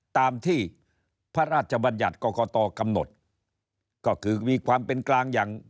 ตามที่พระราชบัญญัติกรกตกำหนดก็คือมีความเป็นกลางอย่าง